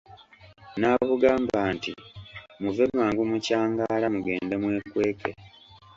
N'abugamba nti, muve mangu mu kyangaala mugende mwekweke.